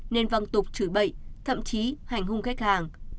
nên văng tục chửi bậy thậm chí hành hung khách hàng